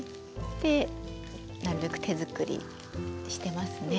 でなるべく手作りにしてますね。